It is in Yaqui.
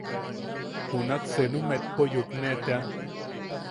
Junak senu metpo yukenetean.